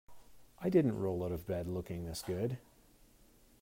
I didn't roll out of bed looking this good.